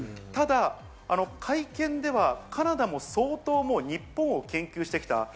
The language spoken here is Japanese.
ただ会見ではカナダも相当日本を研究してきた。